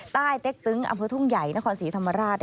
เต็กตึงอำเภอทุ่งใหญ่นครศรีธรรมราช